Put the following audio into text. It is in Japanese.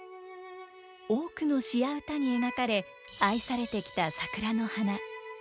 多くの詩や歌に描かれ愛されてきた桜の花。